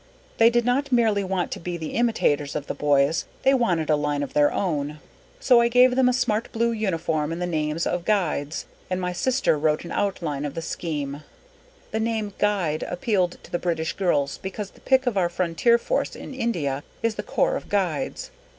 _ They did not merely want to be imitators of the boys; they wanted a line of their own. _So I gave them a smart blue uniform and the names of "Guides" and my sister wrote an outline of the scheme. The name Guide appealed to the British girls because the pick of our frontier forces in India is the Corps of Guides.